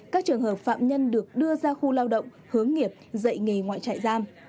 các trường hợp phạm nhân được đưa ra khu lao động hướng nghiệp dạy nghề ngoài trại giam